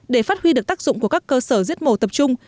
để phát huy được tác dụng của các cơ sở giết mổ tập trung